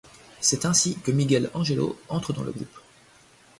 C'est ainsi que Miguel Ângelo entre dans le groupe.